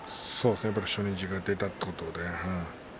初日が出たということでね。